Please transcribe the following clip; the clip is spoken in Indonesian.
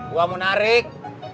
gua mau narik